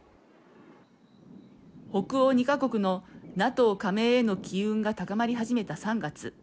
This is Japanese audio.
北欧２か国のＮＡＴＯ加盟への機運が高まり始めた３月。